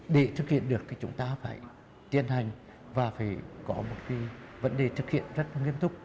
để thực hiện được thì chúng ta phải tiến hành và phải có một cái vấn đề thực hiện rất nghiêm túc